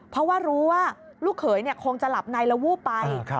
เพราะว่ารู้ว่าลูกเขยคงจะหลับในแล้ววูบไป